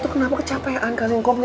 itu kenapa kecapean